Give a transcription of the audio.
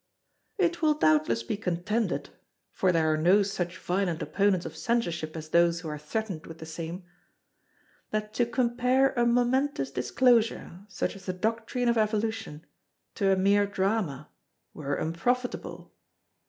It will doubtless be contended (for there are no such violent opponents of Censorship as those who are threatened with the same) that to compare a momentous disclosure, such as the doctrine of Evolution, to a mere drama, were unprofitable.